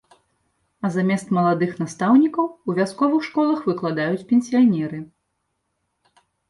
А замест маладых настаўнікаў у вясковых школах выкладаюць пенсіянеры.